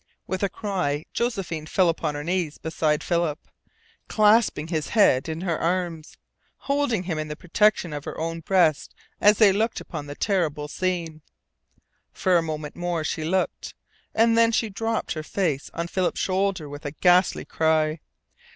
With a cry Josephine fell upon her knees beside Philip, clasping his head in her arms, holding him in the protection of her own breast as they looked upon the terrible scene. For a moment more she looked, and then she dropped her face on Philip's shoulder with a ghastly cry.